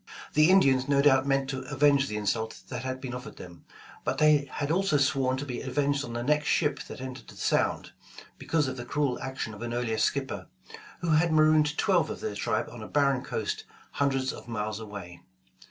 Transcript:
The Indians no doubt meant to avenge the insult that had been offered them, but they had also sworn to be avenged on the next ship that entered the Sound, be cause of the cruel action of an earlier skipper, who had marooned twelve of their tribe on a barren coast hun dreds of miles away.